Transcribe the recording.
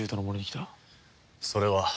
それは。